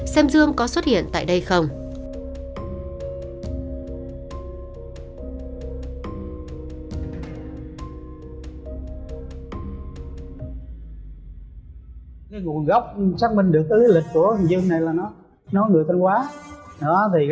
xem dương có xuất hiện tại đây không